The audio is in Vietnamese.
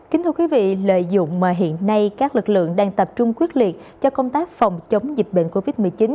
kính thưa quý vị lợi dụng mà hiện nay các lực lượng đang tập trung quyết liệt cho công tác phòng chống dịch bệnh covid một mươi chín